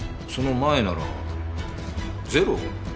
その前ならゼロ？